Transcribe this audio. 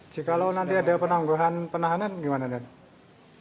jika lo nanti ada penangguhan penahanan gimana dan